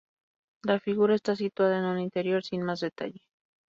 La figura está situada en un interior sin más detalle.